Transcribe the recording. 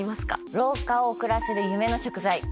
「老化を遅らせる夢の食材」！